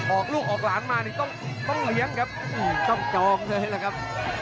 ออกลูกออกหลานมานี่ต้องเลี้ยงครับต้องจองเลยล่ะครับ